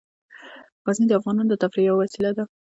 غزني د افغانانو د تفریح یوه وسیله ده.